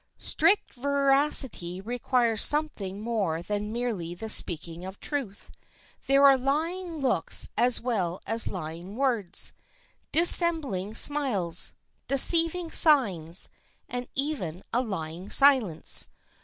Strict veracity requires something more than merely the speaking of truth. There are lying looks as well as lying words; dissembling smiles, deceiving signs, and even a lying silence.